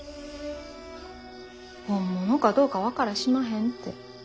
本物かどうか分からしまへんて。